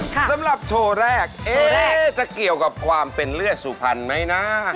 สำหรับโชว์แรกจะเกี่ยวกับความเป็นเลือดสุพรรณไหมนะ